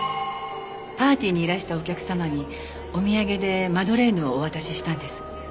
パーティーにいらしたお客様にお土産でマドレーヌをお渡ししたんです。